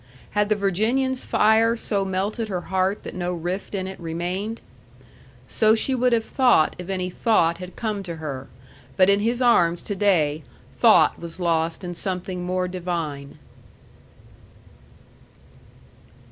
Had the Virginian's fire so melted her heart that no rift in it remained? So she would have thought if any thought had come to her. But in his arms to day, thought was lost in something more divine.